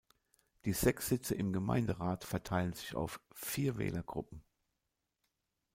Die sechs Sitze im Gemeinderat verteilen sich auf vier Wählergruppen.